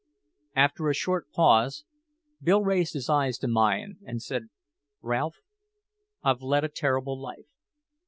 After a short pause, Bill raised his eyes to mine and said, "Ralph, I've led a terrible life.